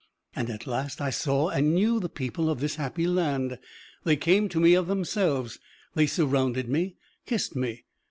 And at last I saw and knew the people of this happy land. They came to me of themselves, they surrounded me, kissed me.